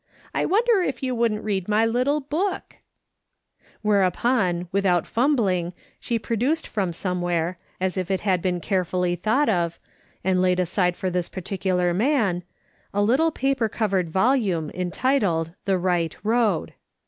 I wonder if you wouldn't read my little book ?" Whereupon, without fumbling, she produced from somewhere, as if it liad been carefully thought of, and laid aside for this particular man, a little paper covered volume, entitled The Bight Road.